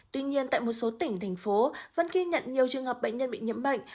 tuy nhiên tại một số tỉnh thành phố vẫn ghi nhận nhiều trường hợp bệnh nhân bị nhiễm bệnh